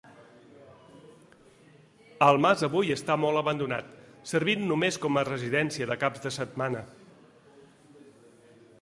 El mas avui està molt abandonat, servint només com a residència de caps de setmana.